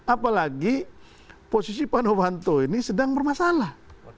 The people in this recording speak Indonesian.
apalagi posisi pak novanto ini sedang bermasalah